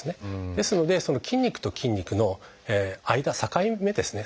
ですのでその筋肉と筋肉の間境目ですね